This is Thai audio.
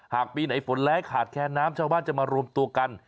ปีไหนฝนร้ายขาดแคนน้ำชาวบ้านจะมารวมตัวกัน